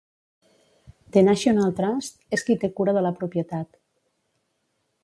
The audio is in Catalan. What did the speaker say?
The National Trust és qui té cura de la propietat.